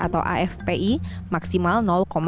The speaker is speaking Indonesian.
atau afpi maksimal